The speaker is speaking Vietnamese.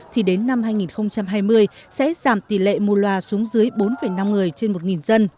thì đến năm hai nghìn hai mươi sẽ giảm tỷ lệ mù loà xuống dưới bốn năm người trên một dân